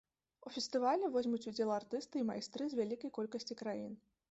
У фестывалі возьмуць удзел артысты і майстры з вялікай колькасці краін.